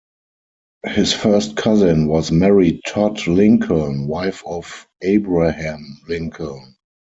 His first cousin was Mary Todd Lincoln, wife of Abraham Lincoln.